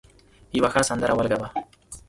یو ښه سندره ولګوه.